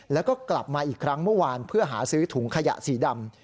แล้วก็กลับมาอีกครั้งเมื่อวานเพื่อหาซื้อถุงขยะสีดำ